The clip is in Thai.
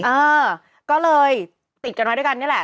เออก็เลยติดกันมาด้วยกันนี่แหละ